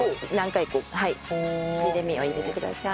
切れ目を入れてください。